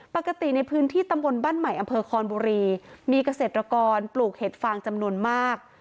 ปกติในพื้นที่ตำบลบ้านใหม่อำเภอคอนบุรีมีเกษตรกรปลูกเห็ดฟางจำนวนมาก